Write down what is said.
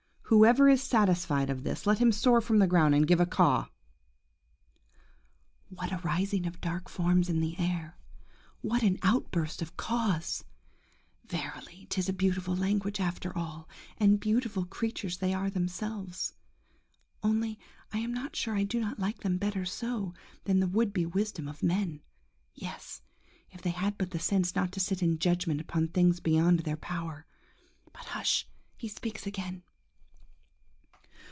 Whoever is satisfied of this, let him soar from the ground and give a caw!" –What a rising of dark forms in the air; what an outburst of caws! Verily 'tis a beautiful language after all, and beautiful creatures they are themselves! Only I am not sure I do not like them better so, than in the would be wisdom of men. Yes! if they had but the sense not to sit in judgment upon things beyond their power! ... But hush! he speaks again.